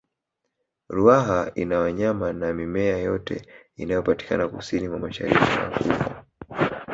ruaha ina wanyama na mimea yote inayopatikana kusini na mashariki mwa afrika